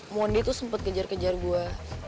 mondi tuh sempat kejar kejar gue